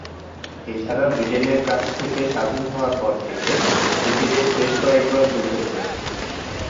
এছাড়া ব্রিটেনের কাছ থেকে স্বাধীন হওয়ার পর থেকে দুটি দেশ বেশ কয়েক বার যুদ্ধ করেছে।